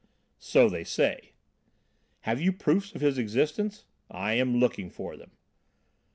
"So they say." "Have you proofs of his existence?" "I am looking for them."